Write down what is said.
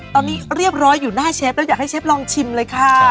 ตอนนี้เรียบร้อยอยู่หน้าเชฟแล้วอยากให้เชฟลองชิมเลยค่ะ